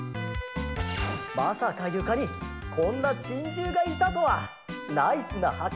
まさかゆかにこんなチンジューがいたとはナイスなはっけんだ！